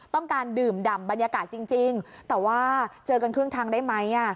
ต้องการดื่มดำบรรยากาศจริงแต่ว่าเจอกันครึ่งทางได้ไหม